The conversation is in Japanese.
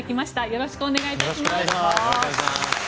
よろしくお願いします。